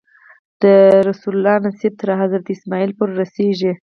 د رسول الله نسب تر حضرت اسماعیل پورې رسېږي.